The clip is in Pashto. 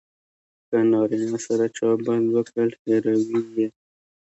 که نارینه سره چا بد وکړل هیروي یې.